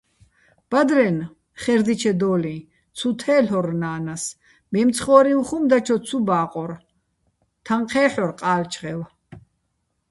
ბადრენ, ხერდიჩედოლიჼ, ცუ თელ'ორ ნა́ნას, მემცხო́რივ ხუმ დაჩო ცუ ბა́ყორ, თაჼ ჴე́ჰ̦ორ ყა́ლჩღევ.